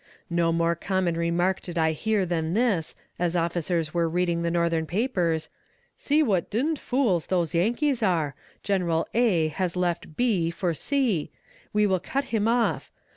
No more common remark did I hear than this as officers were reading the Northern papers: 'See what d d fools those Yankees are. General A has left B for C . We will cut him off.